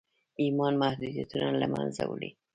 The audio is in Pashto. ايمان محدوديتونه له منځه وړي.